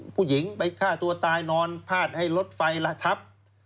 ผู้หญิงไปฆ่าตัวตายนอนพาดให้รถไฟละทับ